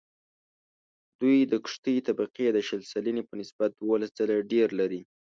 دوی د کښتې طبقې د شل سلنې په نسبت دوولس ځله ډېر لري